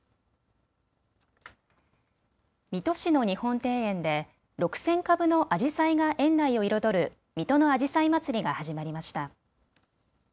水戸市の日本庭園で６０００株のあじさいが園内を彩る水戸のあじさいまつりが始まりました。